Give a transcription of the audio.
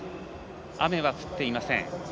雨は降っていません。